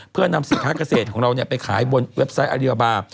เพื่อนำสินค้าเกษตรของเราไปขายบนเว็บไซต์อเดียบาร์